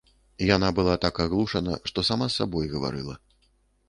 Яна была так аглушана, што сама з сабой гаварыла.